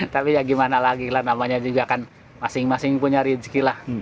tapi ya gimana lagi lah namanya juga kan masing masing punya rezeki lah